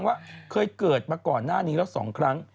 เคยเล่าให้ฟังว่าเคยเกิดมาก่อนหน้านี้แล้ว๒ครั้ง